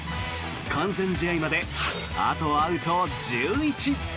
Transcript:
完全試合まであとアウト１１。